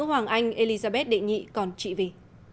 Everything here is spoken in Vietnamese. và anh elizabeth đề nghị còn trị vì